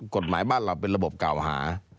กฎหมายบ้านเราเป็นระบบกล่าวหา